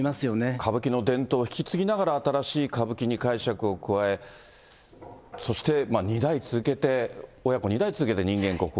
歌舞伎の伝統を引き継ぎながら、新しい歌舞伎に解釈を加え、そして２代続けて、親子２代続けて人間国宝。